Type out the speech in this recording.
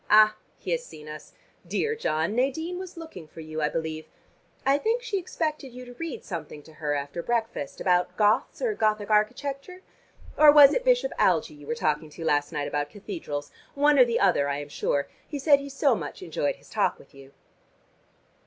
Ah, he has seen us! Dear John, Nadine was looking for you, I believe. I think she expected you to read something to her after breakfast about Goths or Gothic architecture. Or was it Bishop Algie you were talking to last night about cathedrals? One or the other, I am sure. He said he so much enjoyed his talk with you."